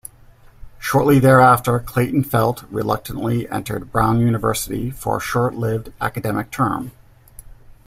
Shortly thereafter, Clayton-Felt reluctantly entered Brown University for a short-lived academic term.